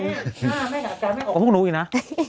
การไม่ออกก็พวกนู้นอีกนะ